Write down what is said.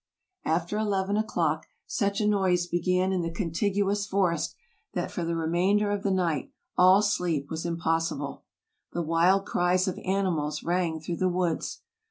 After eleven o'clock such a noise began in the contiguous forest, that for the remainder of the night all sleep was im possible. The wild cries of animals rang through the woods.